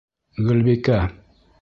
Гөлбикә!